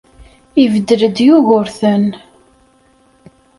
Ibeddel-d Yugurten.